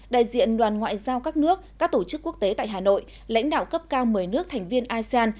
đại diện đoàn ngoại giao các nước các tổ chức quốc tế tại hà nội lãnh đạo cấp cao một mươi nước thành viên asean